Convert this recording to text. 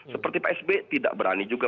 seperti psb tidak berani juga